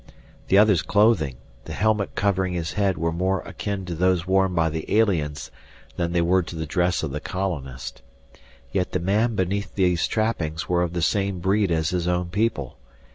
The other's clothing, the helmet covering his head were more akin to those worn by the aliens than they were to the dress of the colonist. Yet the man beneath those trappings was of the same breed as his own people.